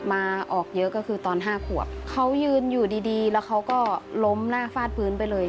มาออกเยอะก็คือตอนห้าขวบเขายืนอยู่ดีดีแล้วเขาก็ล้มหน้าฟาดพื้นไปเลย